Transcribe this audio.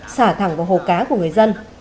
xả thẳng vào hồ cá của người dân